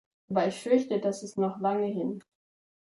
Aber ich fürchte, das ist noch lange hin.